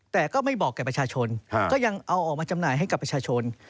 แต่ก็ไม่บอกแก่ประชาชนก็ยังเอาออกมาจำหน่ายให้กับประชาชน